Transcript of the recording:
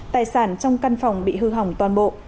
tài sản trong căn phòng bị hư hỏng toàn bộ